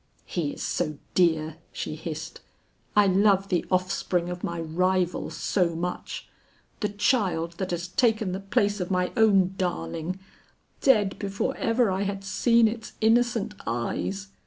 "He is so dear," she hissed. "I love the offspring of my rival so much! the child that has taken the place of my own darling, dead before ever I had seen its innocent eyes.